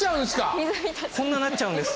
こんななっちゃうんです。